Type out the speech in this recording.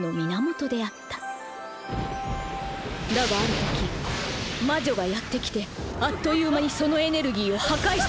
だがある時魔女がやって来てあっという間にそのエネルギーを破壊してしまったのだ。